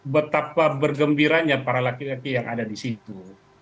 betapa bergembiranya para laki laki yang ada di situ